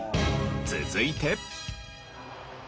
続いて。